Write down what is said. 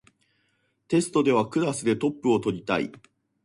テストではクラスでトップを取りたい